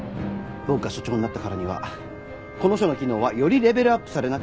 僕が署長になったからにはこの署の機能はよりレベルアップされなければなりません。